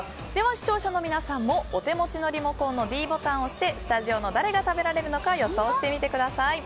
視聴者の皆さんもお手持ちのリモコンのｄボタンを押してスタジオの誰が食べられるのか予想してみてください。